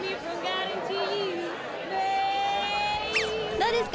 どうですか？